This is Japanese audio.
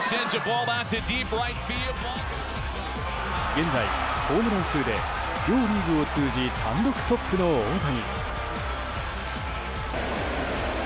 現在、ホームラン数で両リーグを通じ単独トップの大谷。